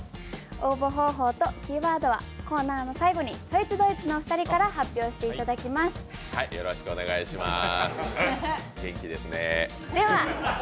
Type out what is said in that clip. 応募方法とキーワードはコーナーの最後にそいつどいつのお二人から発表していただきます。